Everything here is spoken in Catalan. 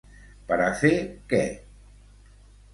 Per a fer què?